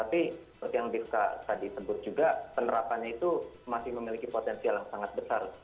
tapi seperti yang divka tadi sebut juga penerapannya itu masih memiliki potensial yang sangat besar